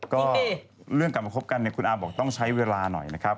ก็เรื่องกลับมาคบกันเนี่ยคุณอาบอกต้องใช้เวลาหน่อยนะครับ